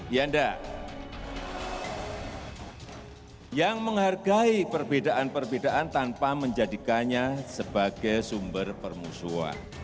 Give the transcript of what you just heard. yanda yang menghargai perbedaan perbedaan tanpa menjadikannya sebagai sumber permusuhan